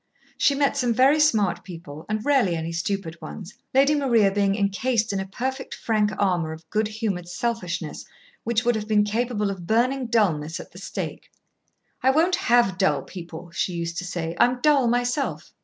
She met some very smart people and rarely any stupid ones, Lady Maria being incased in a perfect, frank armour of good humoured selfishness, which would have been capable of burning dulness at the stake. "I won't have dull people," she used to say. "I'm dull myself."